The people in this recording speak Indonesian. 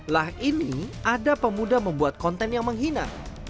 lah ini ada pemuda membuat konten yang menghina